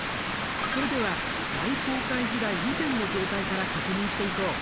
それでは大航海時代以前の状態から確認していこう。